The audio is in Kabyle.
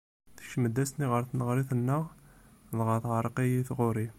Tekcem-d ass-nni ɣer tneɣrit-nneɣ, dɣa teɛreq-iyi tɣuri.